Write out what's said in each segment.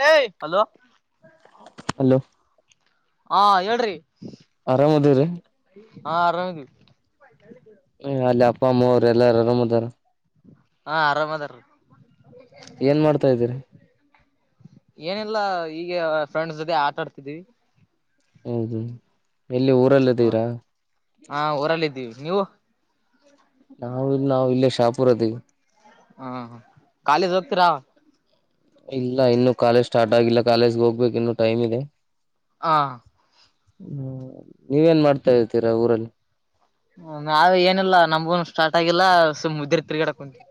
ಲೇಯ್ hello. Hello ಹಾ ಹೇಳ್ರಿ ಹ್ಮ ಹಾ ಆರಾಮ್ ಇದ್ವಿ. [unintelligible] ಹ ಅಲ್ಲಿ ಅಪ್ಪ ಅಮ್ಮರು. ಎಲ್ಲಾರು ಅರಾಮದರ. ಹಾ ಆರಾಮ ಅದರ. ಏನ್ ಮಾಡ್ತಾ ಇದಿರಿ. ಏನಿಲ್ಲಾ ಹೀಗೆ ಫ್ರೆಂಡ್ಸ್ ಜೊತೆ ಆಟಾಡ್ತಿದೀವಿ. ಹೌದು. ಎಲ್ಲಿ ಹೌದ ಊರಲ್ಲದೀರಾ ಹಾ ಊರಲ್ಲಿದ್ದೀವಿ ನೀವು. ನಾವು ಇಲ್ ನಾವು ಇಲ್ಲೇ ಶಾಪುರ ಆದ್ವಿ. ಹ್ಮಹ್ ಕಾಲೇಜ್ ಹೋಗ್ತೀರಾ. ಇಲ್ಲ ಇನ್ನು ಕಾಲೇಜ್ ಸ್ಟಾರ್ಟ್ ಆಗಿಲ್ಲ ಕಾಲೇಜ್ಗೆ ಹೋಗ್ಬೇಕು ಇನ್ನು ಟೈಮ್ ಇದೆ. ಹಾ ಹ್ಮ ನೀವೇನ್ ಮಾಡ್ತಾ ಇದ್ದೀರಾ ಊರಲ್ಲಿ. ನಾವ್ ಏನಿಲ್ಲಾ ನಮಗೂನು. ಸ್ಟಾರ್ಟ್ ಆಗಿಲ್ಲ ಸುಮ್ ಉದ್ದಿರಿ ತಿರ್ಗಡಕುಂತವಿ.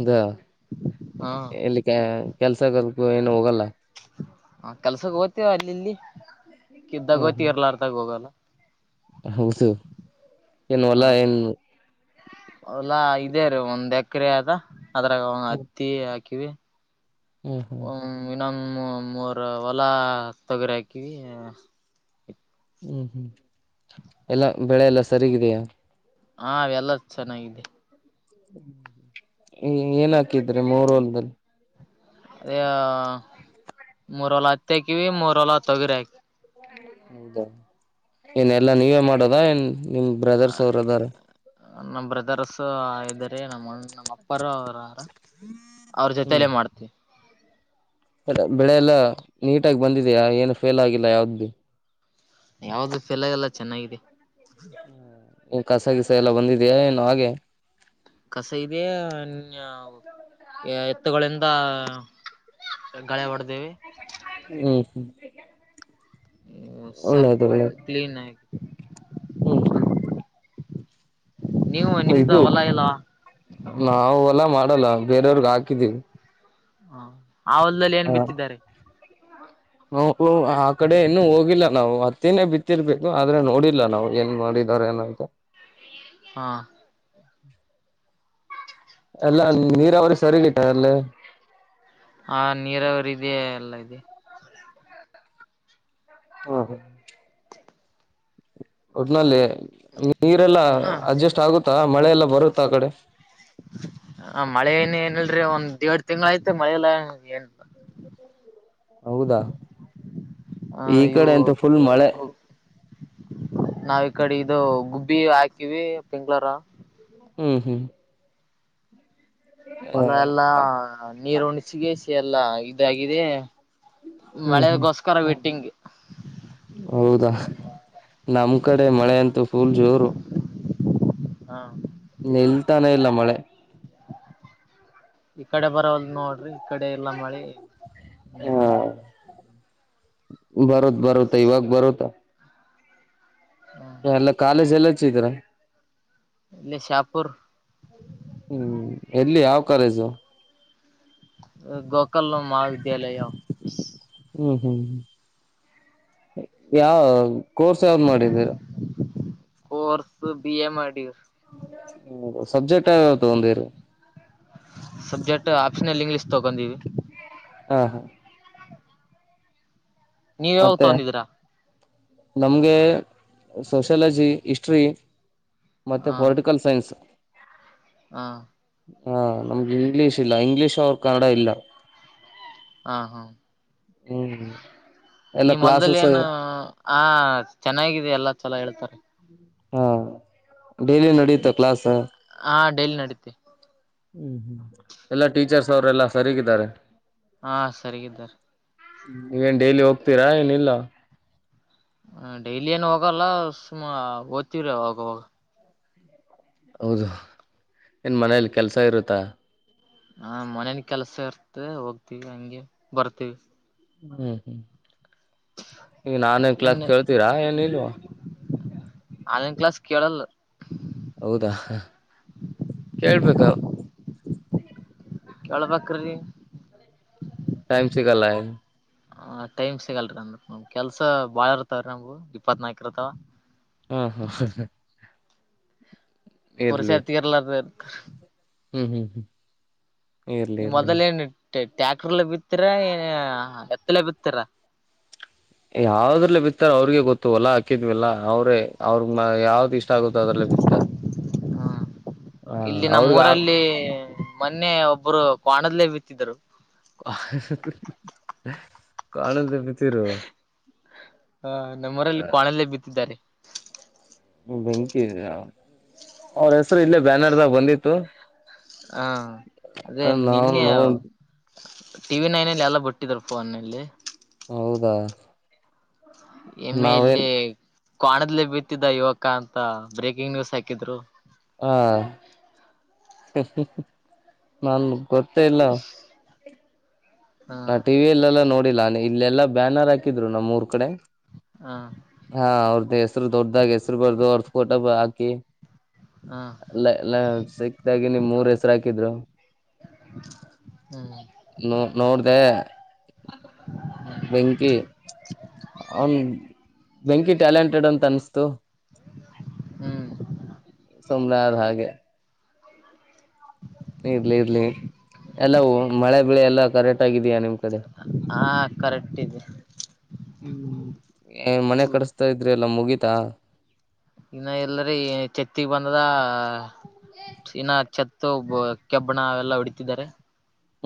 ಇದೆ ಹಾ ಎಲ್ಲಿ ಕೆಲ್ಸ [unintelligible] ಗ ಏನು ಹೋಗಲ್ಲ. ಹ ಕೆಲ್ಸಕ್ಕೆ ಹೋಗ್ತೇವ ಅಲ್ಲಿ ಇಲ್ಲಿ. ಕಿದ್ದಾಗೋತಿವಿ ಇರ್ಲಾರತಾಗ ಹೋಗಲ್ಲ. ಹೌಸು ಏನು ವಲ್ಲ ಏನ. ಹೊಲ ಇದೆ ರೀ ಒಂದ್ ಎಕರೆ ಅದ. ಅದರಗ ಅತ್ತಿ. ಕಿವಿ. ಹ್ಮ್ ಹ್ಮ್ ನಮ್ಮ ಮೂರ ಹೊಲ ತೊಗರಿ ಹಾಕಿವಿ. ಹ್ಮ್ ಹ್ಮ್ ಎಲ್ಲ ಬೆಳೆ ಎಲ್ಲ ಸರಿಗಿದ್ಯ. ಹ ಅವೆಲ್ಲ ಚೆನ್ನಾಗಿದೆ. ಏನ್ ಹಾಕಿದ್ರಿ ಮೂರೊಲದಲ್ಲಿ. ಅದೇ ಮೂರೊಲ ಹತ್ತಿ ಹಾಕಿವಿ ಮೂರೊಲ ತೊಗರಿ ಹಾಕಿ ಹೌದ ಏನ್ ಎಲ್ಲಾ ನೀವೇ ಮಾಡೋದಾ ಏನ್ ನಿಮ ಬ್ರದರ್ಸ್ ಅವ್ರ ಅದಾರ. ನಮ್ಮ್ ಬ್ರದರ್ಸ್ ಇದಾರೆ ನಮ್ಮ ನಮ್ಮ್ ಅಪ್ಪಾರ ಅವರಾರ. ಅವ್ರ ಹ್ಮ್ ಜೊತಲ್ಲೇ ಮಾಡ್ತಿನಿ. ಬೆಳೆ ಎಲ್ಲಾ ನೀಟಾಗಿ ಬಂದಿದ್ಯಾ ಏನು ಫೇಲ್ ಆಗಿಲ್ಲ ಯಾವ್ದು. ಯಾವ್ದು ಫೆಲ್ ಆಗಿಲ್ಲ ಚೆನ್ನಾಗಿದೆ. ಏನ್ ಕಸಗಿಸ ಎಲ್ಲ ಬಂದಿದ್ಯಾ ಏನು ಹಾಗೆ. ಕಸ ಇದೆ ಇನ್ಯಾವ್. ಎತ್ತುಗೊಳ್ಳಿಂದ ಗಳೆ ಹೊಡ್ದೇವಿ. ಹ್ಮ್ ಹ್ಮ್ ಹ್ಮ ಸ್ವಲ್ಪ ಒಳ್ಳೇದು ಒಳ್ಳೇದು ಕ್ಲೀನ್ ಆಗ. ಹ್ಮ್ ಹ್ಮ್ [inaudible] ನೀವು ನಿಮ್ದ ಇದು ಹೊಲ ಇಲ್ಲ ನಾವು ಎಲ್ಲ ಮಾಡ. ಮಾಡಲ್ಲ ಬೇರೆಯವ್ರಗ್ ಹಾಕಿದೀವಿ. ಹಾ ಆ ಹೋಲ್ದಾಲ್ಲಿ ಏನ್ ಬಿತ್ತಿದ್ದಾರೆ. ಹುಹ್ ಆ ಕಡೆ ಇನ್ನುೂ ಹೋಗಿಲ್ಲ ನಾವು ಅತ್ತಿನೇ ಬಿತ್ತಿರ್ಬೇಕು ಆದ್ರೆ ನೋಡಿಲ್ಲ ನಾವ್ ಏನ್ ಮಾಡಿದಾರ ಏನಂತ. ಹಾ ಎಲ್ಲಾ ನೀರಾವರಿ ಸರಿಗಟ ಅಲ್ಲಿ. ಹ ನೀರಾವರಿ ಇದೇ ಎಲ್ಲ ಇದೆ. ಹಾ ಹಾ. ಒಟ್ನಲ್ಲಿ. ನೀರೆಲ್ಲಾ ಹ ಅಡ್ಜಸ್ಟ್ ಆಗುತ್ತಾ ಮಳೆಲ್ಲ ಬರುತ್ತಾ ಆ ಕಡೆ. ದ್ರಿ ಒಂದ್ ಏಡ್ ತಿಂಗಳ ಐತ್ ಮಳೆಯಿಲ್ಲ ಏನಿಲ್ಲ. ಹೌದಾ ಹ ಈ ಇವು ಕಡೆ ಅಂತೂ ಫುಲ್ ಮಳೆ ಗ್ ನಾವ ಈ ಕಡೆ ಇದು ಗುಬ್ಬಿ ಹಾಕಿವಿ ಪೆಂಗ್ಳಾರ. ಹ್ಮ್ ಹ್ಮ್ ಒಲ ಎಲ್ಲಾ ನೀರ್ ಉಣ್ಣಿಸ್. ಸಿಗಸ ಎಲ್ಲ ಇದಾಗಿದೆ. ಮಳೆಗೋಸ್ಕರ ವೆಟ್ಟಿಂಗ್. ಹೌದಾ ನಮ್ ಕಡೆ ಹ್ಮ್ ಮಳೆ ಅಂತೂ ಫುಲ್ ಜೋರು. ಹಾ ನಿಲ್ತಾನ ಇಲ್ಲ. ಮಳೆ ಈ ಕಡೆ ಬರವಲ್ ನೋಡ್ರಿ. ಈ ಕಡೆ ಇಲ್ಲ ಮಳಿ. ಬರುತ್ ಬರುತ್ತೆ ಇವಾಗ ಬರುತ್ತೆ. ಹ್ಮ್ ಎಲ್ಲ ಕಾಲೇಜ್ ಎಲ್ಲಚ್ಚಿದಿರ. ಇಲ್ಲಿ ಶಾಪುರ್ ಹ್ಮ್ ಎಲ್ಲಿ ಯಾವ್. ಕಾಲೇಜು. ಗೋಕಲ್ ಮಹಾವಿದ್ಯಾಲಯ. ಹ್ಮ್ ಹ್ಮ್ ಯಾವ ಕೋರ್ಸ್ ಯಾವ್ದ್ ಮಾಡಿದಿರ. ಕೊರ್ಸ್ ಬಿ ಎ ಮಾಡಿವಿ. ಹ್ಮ ಸಬ್ಜೆಕ್ಟ್ ಯಾವ್ಯವದ್ ತಗೊಂದಿರಿ. ಸಬ್ಜೆಕ್ಟ್ ಆಪ್ಷನಲ್ ಇಂಗ್ಲಿಷ್ ತಗೊಂಡಿವಿ ಹಾಹಾ. ನೀವ್ ಹೋಗಿ ಮತ್ತೆ ತಗೊಂಡಿದೀರಾ. ನಮ್ಗೆ ಸೋಶಾಲಜಿ ಇಸ್ಟ್ರಿ. ಮತ್ತೆ ಪೊಲಿಟಿಕಲ್ ಸೈನ್ಸ್. ಹಾ ಹಾ ನಮ್ಗೆ ಇಂಗ್ಲೀಷ್ ಇಲ್ಲ ಇಂಗ್ಲೀಷ್ ಅವರ್ ಕನ್ನಡ ಇಲ್ಲ. ಹಾ ಹಾ ಹ್ಮ್ ಹ್ಮ್ ನೀ ಮಲ್ದಲ್ಲಿ ಏನು ಆ ಚೆನ್ನಾಗಿದೆ ಎಲ್ಲ ಚಲೋ ಹೇಳ್ ತ ಹ್ಮ್ ಡೇಲಿ ನಡೀಯುತ್ತ ಕ್ಲಾಸ್. ಡೇಲ್ ನಡೀತಿ. ಹ್ಮ್ ಹ್ಮ್ ಎಲ್ಲಾ ಟೀಚರ್ಸ್ ಅವ್ರ ಎಲ್ಲಾ ಸರಿಗಿದ್ದಾರೆ. ಹಾ ಸರಿಗಿದ್ದರ್ ನೀವೇನ್ ಡೈಲಿ ಹೋಗ್ತೀರಾ ಏನಿಲ್ಲ. ಹ ಡೈಲಿ ಏನ್ ಹೋಗಲ್ಲ ಸುಮ ಓದ್ತಿವ್ರ ಅವಾಗ ಅವಾಗ. ಹೌದು ಏನ್ ಮನೇಲಿ ಕೆಲ್ಸ ಇರುತ್ತಾ. ಹಾ ಮನೇನ್ ಕೆಲ್ಸ ಇರ್ತ ಹೋಗ್ತಿವಿ ಹಂಗೆ ಬರ್ತೀವಿ. ಹ್ಮ್ ಹ್ಮ್ ಈಗ ಆನ್ಲೈನ್ ಏನ್ ಕ್ಲಾಸ್ ಕೇಳ್ತೀರಾ ಏನ್ ಇಲ್ವಾ. ಆನ್ಲೈನ್ ಕ್ಲಾಸ್ ಕೇಳಲ್ಲ. ಹೌದಾ ಕೇಳ್ಬೇಕು. ಕೇಳ್ಬೇಕ್ರಿ ಟೈಮ ಸಿಗಲ್ಲ. ಆ ಟೈಮ್ ಸಿಗಲ್ರಿ ಅಂದ ನಮ ಕೆಲ್ಸ ಬಾಳ ಇರ್ತಾವೀ ನಮಗ ಇಪ್ಪತ್ನಾಲ್ಕು ಇರ್ತಾವ. ಹಾ ಹಾ ಇರ್ಲಿ ಪುರುಷತ್ ಇರ್ಲಾರ್ದ್. ಹ್ಮ್ ಹ್ಮ್ ಹ್ಮ್ ಇರ್ಲಿ ನಿಮ್ ಇರ್ಲಿ ಮೊದಲ್ ಏನ್ ಟ್ಯಾಕ್ಟರ್ಲ್ಲ ಬಿತ್ತೀರಾ ಏ ಎತ್ತಲ್ಲೆ ಬಿತ್ತೀರಾ. ಯಾವದ್ರಲೆ ಬಿತ್ತಾರ ಅವ್ರಿಗೆ ಗೊತ್ತು ಹೊಲ ಹಾಕಿದ್ವಿಲ್ಲ ಅವ್ರೇ. ಅವ್ರಗ್ ಯಾವ್ದ ಇಷ್ಟ ಆಗುತ್ತೋ ಅದ್ರಲ್ಲ ಬಿತಾರೆ ಹಾ ಹ ಇಲ್ಲಿ ಅವ್ರಗ. ನಮ್ಮೂರಲ್ಲಿ ಮೊನ್ನೆ ಒಬ್ಬರು ಕ್ವಾಣದಲ್ಲೇ ಬಿತ್ತಿದರು. [unintelligible] ಕ್ವಾಣದಲ್ಲಿ ಬೀತ್ ಹ ನಮ್ಮರಲ್ಲಿ ಕ್ವಾಣಲ್ಲೇ ಬಿತ್ತಿದ್ದಾರೆ. ಬೆಂಕಿ ಅವ್ರ ಹೆಸರು ಇಲ್ಲೇ ಬ್ಯಾನರ್ದಾಗ ಬಂದಿತ್ತು. ಹಾ ಅದೇ ನಾವ ನಿನ್ನೆ. ನೋ ಟಿವಿನೈನಲ್ಲಿ ಎಲ್ಲ ಬಿಟ್ಟಿದರು ಫೋನಲ್ಲಿ. ಹೌದಾ ಎಮ್ಮೆ ಇಲ್ಲಿ. ನಾವೇನ್ ಕ್ವಾಣದ್ಲೈ ಬಿತ್ತಿದ್ದ ಯುವಕ ಅಂತ ಬ್ರೇಕಿಂಗ್ ನ್ಯೂಸ್ ಹಾಕಿದ್ರು. ಹಾ [unintelligible] ನನ್ ಗೊತ್ತೆ ಇಲ್ಲ ಹಾ ನಾ ಟಿವಿ ಎಲ್ಲೆಲ್ಲಾ ನೋಡ್ ಇಲ್ಲೆಲ್ಲಾ ಬ್ಯಾನರ್ ಹಾಕಿದ್ರು ನಮ್ಮೂರ್ ಕಡೆ. ಹಾ ಹಾ ಅವ್ರ್ದ ಹೆಸ್ರು ದೊಡ್ದಾಗ್ ಹೆಸ್ರು ಬರ್ದು ಅವ್ರ ಫೋಟೋ ಹಾಕ್ [unintelligible] ಹಾ ಅಲ್ಲಲ್ಲ ಸಿಕ್ದಾಗಿ ನೀಮ್ ಮೂರ್ ಹೆಸರು ಹಾಕಿದ್ರು ಹ್ಮ್ [unintelligible] ನೋ ಏ [unintelligible] ಬೆಂಕಿ [unintelligible] ಅವನ್ ಬೆಂಕಿ ಟ್ಯಾಲೆಂಟೆಡ್ ಅಂತ ಅನ್ಸ್ತು. ಹ್ಮ್ ಸುಮನಾ ಅದ್ ಹಾಗೆ. ಇರ್ಲಿ ಇರ್ಲಿ ಎಲ್ಲವು ಮಳೆ ಬೆಳೆ ಎಲ್ಲಾ ಕರೆಕ್ಟ್ ಆಗಿದಯಾ ನಿಮ್ ಕಡೆ ಹಾ ಕರೆಕ್ಟ್ ಇದೆ [unintelligible] ಏನ್ ಮನೆ ಕಡಸ್ತಾ ಇದ್ರಿ. ಎಲ್ಲ ಮುಗಿತಾ. ಇನ್ನ ಎಲ್ರಿ ಚೆತ್ತಗ್ ಬಂದದ. ಸಿನ ಚತ್ [unintelligible] [unintelligible] ಕೆಬ್ಬಣ ಅವೆಲ್ಲ ಹೊಡಿತಿದ್ದಾರೆ.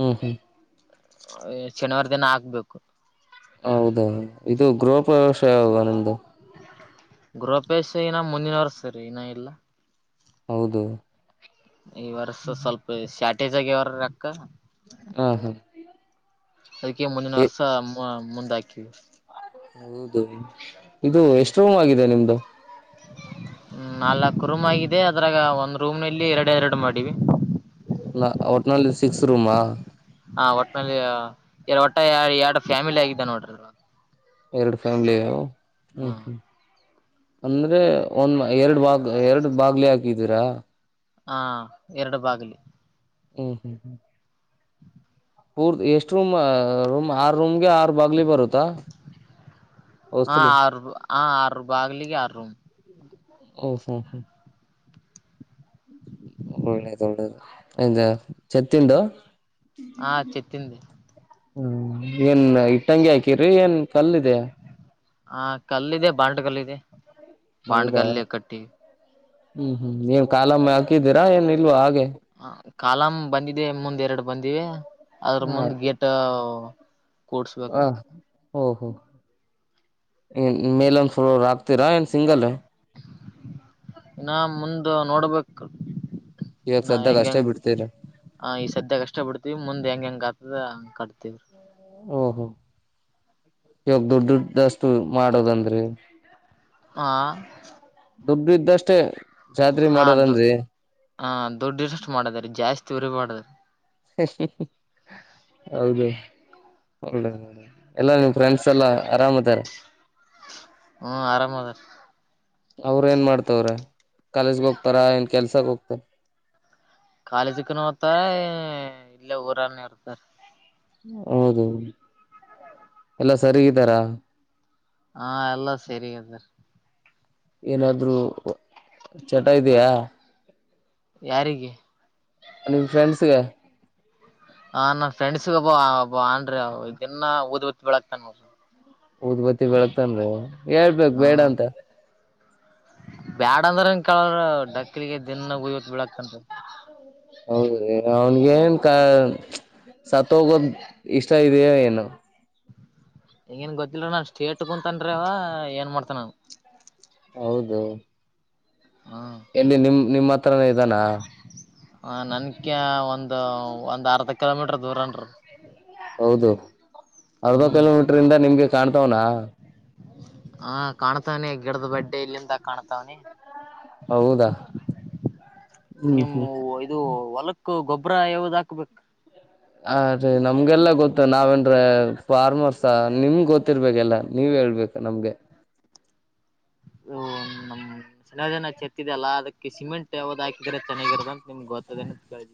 ಹ್ಮ್ ಹ್ಮ್ ಶನಿವಾರ ದಿನ ಆಗ್ಬೇಕು. ಹೌದ ಇದು ಗೃಹಪ್ರವೆಷ ಯಾವಾಗ ನಿಮ್ದು. ಗೃಪೇಶ್ ಇನ ಮುಂದಿನವರ್ಸರಿ ಇನ್ನ ಇಲ್ಲ. ಹೌದು ಈ ವರ್ಸ ಸ್ವಲ್ಪ ಶಾ ಟೀಜೋರಿಗವ ರಕ್ಕ ಹಾ ಹಾ ಅದಕ್ಕೆ ಮುಂದಿನ ಏ ವರ್ಷ. ಹಾ ಮುಂದಾಕಿ. ಹೌದು ಇದು ಎಷ್ಟು ರೂಮ್ ಆಗಿದೆ ನಿಮ್ದು. ಹ್ಮ ನಾಲ್ಕು ರೂಮ್ ಆಗಿದೆ ಅದ್ರಾಗ ಒಂದ್ ರೂಮ್ ನಲ್ಲಿ ಎರಡು ಎರಡು ಮಾಡಿವಿ. ಒಟ್ನಾಲ್ ಸಿಕ್ಸ್ ರೂಮಾ ಹಾ. ಹ ಒಟ್ಟನಲ್ಲಿ ಯಾರದು ಒಟ್ಟ ಎರಡು ಫ್ಯಾಮಿಲಿ ಆಗಿದ್ದ ನೋಡ್ರಿ. ಎರಡು ಫ್ಯಾಮಿಲಿ ಯೋ. ಹ್ಮ ಹಾ ಹ್ಮ ಅಂದ್ರೆ ಒಂದ ಎರಡು ಬಾಗ ಎರಡು ಬಾಗ್ಲಿ ಹಾಕಿದೀರಾ. ಹಾ ಎರಡು ಬಾಗಿಲಿ. ಹ್ಮ್ ಹ್ಮ್ ಹ್ಮ್. ಪೂರ್ತಿ ಎಷ್ಟು ರೂಮ್ ರೂಮ್ ಆರು ರೂಮ್. ಹಾ ಔಸಲಿ ಆರು ಹ ಆರು ಭಾಗಲಿಗೆ ಆರು ರುಮ. ಹ ಹಾ ಹಾ. ಒಳ್ಳೇದು ಒಳ್ಳೇದು ಇದು ಚತ್ತಂದು. ಹ ಚೆಟ್ಟಿಂದ. ಹ್ಮ್ ಏನ್ ಇಟ್ಟಂಗಿ ಹಾಕಿರರಿ ಏನ್ ಕಲ್ಲಿದೆ. ಹಾ ಕಲ್ಲ ಇದೆ ಬಾಂಡ ಕಲ್ಲಿದೆ. ಹೌದಾ ಬಾಣಕಲ್ಲಿ ಕಟ್ಟಿ. ಹ್ಮ್ ಹ್ಮ್ ನೀ ಏನ್ ಕಾಲಮ್ಮೆ ಹಾಕಿದ್ದೀರಾ ಏನ್ ಇಲ್ವಾ ಹಾಗೆ. ಹಾ ಕಾಲಮ ಬಂದಿದೆ ಮುಂದ ಎರಡು ಬಂದಿವ. ಅದ್ರ ಮುಂದ ಗೇಟ್ [inaudible] ಹಾ- ಓಹೋ ಮೇಲ ಒಂದ ಸಲ ಆಕ್ತೀರಾ ಏನ್ ಸಿಂಗಲ್. ಇನ್ನ ಮುಂದ ನೋಡ್ಬೇಕು. ಇವಾಗ ನಾ ಸದ್ಯಾಗ ಹೆಂಗ ಅಷ್ಟೇ ಹೆಂಗ ಬಿಡ್ತೀರ ಹ ಈ ಸದ್ಯ ಕಷ್ಟ ಬಿಡ್ತಿವಿ ಮುಂದೆ ಹೆಂಗ ಹೆಂಗ. [unintelligible] ಕಟ್ತೀವ್ರೀ. ಓಹೋ ಇವಾಗ ದುಡ್ ದುಡ್ಡಷ್ಟು ಮಾಡೋದಂದ್ರಿ ಹಹಾ - ದುಡ್ಡಿದ್ದಷ್ಟೇ. ಹದು ಹ ದುಡ್ಡಿ ಇರಷ್ಟು ಮಾಡದರಿ ಜಾಸ್ತಿ ಉರಿ ಮಾಡದ. ಹೌದು ಓಲ್ಡ್ ಎಲ್ಲ ನಿಮ್ ಫ್ರೆಂಡ್ಸ್ ಎಲ್ಲ ರಾಮ್ ಇದ್ದಾರೆ. ಹೂ ಆರಾಮ್ ಅದಾರ. ಅವ್ರ ಏನ್ ಮಾಡ್ತವ್ರೆ ಕಾಲೇಜ್ಗೆ ಹೋಗ್ತಾರ ಏನ್ ಕೆಲ್ಸಾಗ ಹೋಗ್ತಾರ. ಕಾಲೇಜಕ್ಕ ಹೋಗ್ತಾರ ಇಲ್ಲೇ ಊರಾನೇ ಇರ್ತಾರ. ಹೌದು [unintelligible] ಎಲ್ಲಾ ಸರಿಗಿದ್ದಾರಾ. ಹಾ ಎಲ್ಲಾ ಸರಿ ಇದರ್. ಏನಾದ್ರೂ ಚಟ ಇದ್ಯ. ಯಾರಿಗೆ ಅ ನಿನ್ ಫ್ರೆಂಡ್ಸ್ಗೆ. ಹ ನನ್ ಫ್ರೆಂಡ್ಸಗ ಒಬ್ಬಬ್ಬ ಅಂದ್ರ ದಿನ ಓದ್ ಬಿತ್ ಬಿಳಕ್ತನ್ ನೋಡ್ರಿ. ಉದ್ಬತ್ತಿ ಬೆಳಗ್ತನ್ ರಿ ಅವ ಹೇಳ್ಬೇಕ್ ಬೇಡ ಹ್ಮ ಅಂತ. ಬ್ಯಾಡ ಅಂದ್ರನ್ ಕೇಳ್ರ ಡಕ್ಕಲಿಗೆ ದಿನ ಉಯ್ಯತ್ ಬಿಳಕ್ತನ. ಹೌದ ಅವ್ನಿಗೆನ್ ಕ ಸತ್ ಹೋಗೋದ ಇಷ್ಟ ಇದೆಯ ಏನು. ಹೆಂಗೇನ್ ಗೊತ್ತಿಲ್ಲರ ನಾನ್ ಸ್ಟೇಟ್ಕುಂತನ್ ಅವ ಏನ್ ಮಾಡ್ತನಾ ಅವ್ನ್. ಹೌದು ಹ್ಮ್ ಏಲ್ಲಿ ನಿಮ್ ನಿಮ್ಮ. ಹತ್ರನ ಇದಾನ. ಹ ನಕ್ಯ ಒಂದು ಒಂದ್ ಅರ್ ಹ ಕಿಲೋಮೀಟರ್ ದೂರನ್ರಿ. ಹೌದು ಅರ್ಧ ಹ್ಮ್ ಕಿಲೋಮೀಟರ್ ಇಂದ ನಿಮ್ಗೆ. ಕಾಣ್ತಾವನಾ ಹಾ ಕಾಣ್ತವನಿ ಗಿಡದ ಬಡ್ಡೆ ಇಲ್ಲಿಂದ ಕಾಣ್ತವನಿ. ಹೌದಾ ಹ್ಮ್ ಹ್ಮ್ ಹು ಗೊಬ್ರ ಯಾವದ ಹಾಕ್ಬೇಕು. ಹ ರೀ ನಮ್ಗೆಲ್ಲ ಗೊತ್ತು ನಾವೇನ್ರ ಫಾರ್ಮರ್ಸ್ ನಿಮ್ ಗೊತ್ತಿರ್ಬೇಕ ಎಲ್ಲಾ ನೀವ್ ಹೇಳ್ಬೇಕ ನಮ್ಗೆ. ನಮ್ [unintelligible] ಜನ ಚತ್ತಿದೆ ಅಲ್ಲ ಅದಕ್ಕೆ ಸಿಮೆಂಟ್ ಯಾವ್ದ ಹಾಕಿದ್ರೆ ಚೆನ್ನಾಗಿರದಂತ ನಿಮ್ಗೆ ಗೊತ್ತದೇ ಕೇಳ್ದ.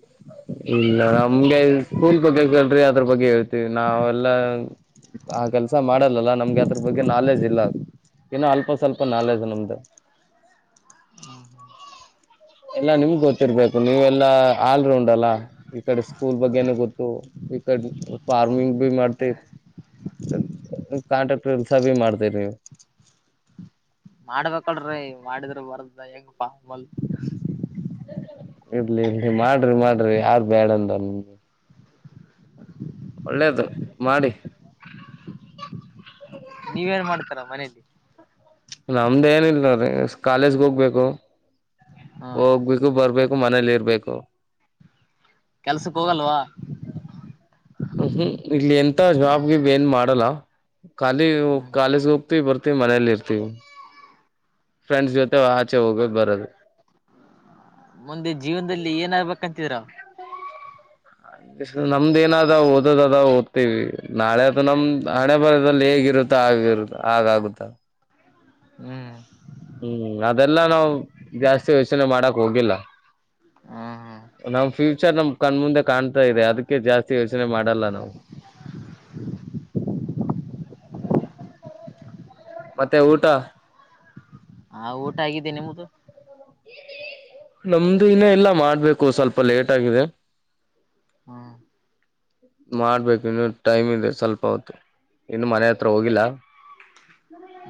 ಇಲ್ಲ ನಮ್ಗೆ ಸ್ಕೂಲ್ ಬಗ್ಗೆ ಕೇಳ್ರಿ ಅದ್ರ ಬಗ್ಗೆ ಹೇಳ್ತೀವಿ ನಾವೆಲ್ಲ ಆ ಕೆಲಸ ಮಾಡಲ್ ಇಲ್ಲ ನಮ್ಗೆ ಅದ್ರ ಬಗ್ಗೆ ನಾಲೆಜ್ ಇಲ್ಲ. ಏನ ಅಲ್ಪ ಸ್ವಲ್ಪ ನಾಲೆಜ್ ನಿಮ್ದು. [unintelligible] ಎಲ್ಲಾ ನಿಮ್ ಗೊತ್ತಿರ್ಬೇಕು ನೀವೆಲ್ಲಾ ಆಲ್ರೌಂಡ್ ಅಲ್ಲಾ ಈ ಕಡೆ ಸ್ಕೂಲ್ ಬಗ್ಗೆನು ಗೊತ್ತು ಈ ಕಡೆ ಫಾರ್ಮಿಂಗ್ ಬಿ ಮಾಡ್ತಿರಿ ಕಾಂಟ್ರಾಕ್ಟರ್ ಎಲ್ಸ ಬಿ ಮಾಡ್ತರಿ ನೀವು. ಮಾಡ್ಬೇಕಲ್ರಿ ಮಾಡಿದ್ರ ಬರ್ [unintelligible] ಇರ್ಲಿ ಇರ್ಲಿ ಮಾಡ್ರಿ ಮಾಡ್ರಿ ಯಾರ್ ಬೇಡಂದರ್ ನಿಮ್ಗೆ. ಒಳ್ಳೇದು ಮಾಡಿ. ನೀವೇನ್ ಮಾಡ್ತಾರ ಮನೇಲಿ. ನಮ್ದ ಏನಲ್ರಿ ಕಾಲೇಜ್ಗೆ ಹೋಗ್ಬೇಕು. ಹ್ಮ ಹೋಗ್ಬೇಕು ಬರಬೇಕು. ಮನೇಲಿ ಇರಬೇಕು. ಕೆಲ್ಸಕ್ ಹೋಗಲ್ವಾ ಹಹ್ಮ್ ಇಲ್ಲಿ ಎಂತ ಜಾಬ್ಗೇಬ ಏನ್ ಮಾಡಲ್ಲ. ಖಾಲಿ ಹ್ಮ್ ಕಾಲೇಜು. ಇರ್ತಿ ಬರ್ತಿವಿ ಮನೇಲಿ ಇರ್ತಿವಿ. ಫ್ರೆಂಡ್ಸ್ ಜೊತೆ ಆಚೆ ಹೋಗ್ಬಬರದು. ಮುಂದೆ ಜೀವನದಲ್ಲಿ ಏನಾಗಬೇಕಂತಿದರ. ನಮ್ದ ಏನಾದ ಓದದ್ ಅದ ಓದ್ತೀವಿ ನಾಳೆ ಅದು ನಮ್ದ್ ಹಣೆ ಬರದದಲ್ಲಿ ಹೇಗಿರುತ್ತ ಆಗಿರುತ್ತ ಆಗ ಆಗುತ್ತ. ಹ್ಮ್. ಹ್ಮ್ ಅದೆಲ್ಲಾ ನಾವ್ ಜಾಸ್ತಿ ಯೋಚನೆ ಮಾಡಕ್ ಹೋಗಿಲ್ಲ. ಹ್ಮ್ ನಾಮಫೀ ನ ಕಣ ಮುಂದೆ ಕಾಣ್ತಾ ಇದೆ ಅದಕ್ಕೆ ಜಾಸ್ತಿ. ಯೋಚನೆ ಮಾಡಲ್ಲ ನಾವು ಮತ್ತೆ ಊಟ. ಹಾ ಊಟ ಆಗಿದ್ದೇ ನಿಮ್ಮದು. ನಮ್ದು ಇನ್ನ ಎಲ್ಲ ಮಾಡ್ಬೇಕು ಸ್ವಲ್ಪ ಲೇಟ್ ಆಗಿದೆ. ಹ್ಮ್ ಮಾಡ್ಬೇಕು ಇನ್ನು ಟೈಮ್ ಇದೆ ಸ್ವಲ್ಪ ಹೊತ್ತು ಇನ್ನು ಮನೆ ಹತ್ರ ಹೋಗಿಲ್ಲಾ.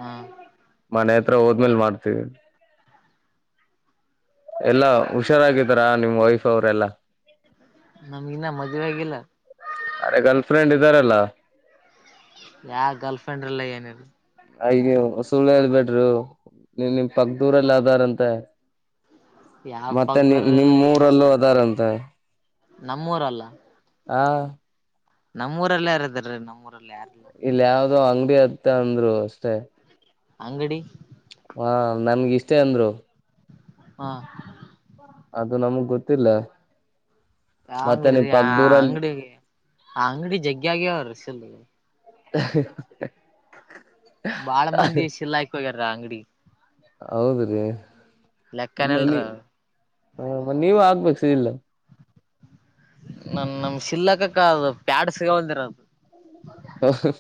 ಹಾ ಮನೆ- ಹತ್ರ ಹೋದ್ಮೇಲ್ ಮಾಡ್ತೀವಿ. ಎಲ್ಲಾ ಹುಷಾರಾಗಿದಾರಾ ನಿಮ್ ವೈಫ್ ಅವರೆಲ್ಲಾ. ನಮಗಿನ್ನ ಮದ್ವೆ ಆಗಿಲ್ಲ. ಇದಾರಲ್ಲ ಯಾ ಗರ್ಲ್ಫ್ರೆಂಡ್ ಇಲ್ಲ ಏನಿಲ್ಲ. ಯ ನೀವು ಸುಳ್ಳಲ್ ಬಿಡರು ನೀ ನಿಮ್ ಪಕ್ಕದೂರಲ್ಲ ಅದಾರಂತೆ. ಯಾವ ಮತ್ತೆ ನಿ ಪಕ್ಕದವರೆಲ್ಲ ಏನಿಲ್ಲ ನಿಮ್ಮ್ಊರಲ್ಲೂ ಅದಾರಂತೆ. ನಮ್ಮೂರಲ್ಲ. ಹಾ. ನಮ್ಮೂರಲ್ಲ ಯಾರದ ರೀ ನಮ್ಮೂರಲ್ಲಿ ಯಾರ. ಇಲ್ಲ ಯಾವ್ದೋ ಅಂಗಡಿ. ಇತ ಅಂದ್ರು ಅಷ್ಟೇ. ಅಂಗಡಿ. ಹಾ ನನ್ಗ ಇಷ್ಟೇ ಅಂದ್ರು. ಹಾ. ಅದು ನಮಗ್ ಗೊತ್ತಿಲ್ಲ. ಯಾವ ಮತ್ತೆ ಅಂಗಡಿ ನಿಮ್ ಆ ಪಕ್ದೂರಲ್ಲಿ ಅಂಗಡಿ ಆ ಅಂಗಡಿ ಜಗ್ಗಿ ಆಗವ್ರೆ. [unintelligible] [unintelligible] ಬಾಳ ಮಂದಿ ಶೀಲ ಹಾಕಿ ಹೋಗ್ಯಾರ ಅಂಗಡಿ. ಹೌದ ರೀ. ನ ಲೆಕ್ಕನಲ್ರ ನೀವ್ ನೀವ ಆಗ್ಬೇಕು. ತಿಲ್. ನಮ ನಮ ಶೀಲ ಕಕ್ಕ ಅದು ಪ್ಯಾಡ್ ಸಿಗಲ್ಲಾದರೆ. ಹ ಹ ಹ.